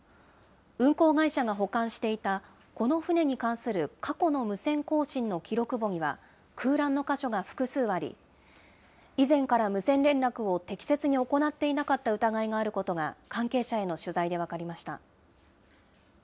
運航会社が保管していたこの船に関する過去の無線交信の記録簿には空欄の箇所が複数あり、以前から無線連絡を適切に行っていなかった疑いがあることが、関係者への取材で分かりました。